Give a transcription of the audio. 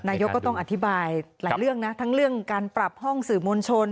ก็ต้องอธิบายหลายเรื่องนะทั้งเรื่องการปรับห้องสื่อมวลชน